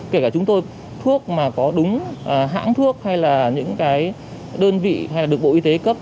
kể cả chúng tôi thuốc mà có đúng hãng thuốc hay là những đơn vị được bộ y tế cấp